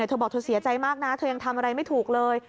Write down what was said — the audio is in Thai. เธอบอกเธอเสียใจมากนะเธอยังทำอะไรไม่ถูกเลย